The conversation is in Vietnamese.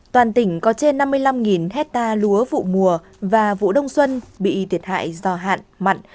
toàn tỉnh có trên năm mươi năm hectare lúa vụ mùa và vụ đông xuân bị thiệt hại do hạn mặn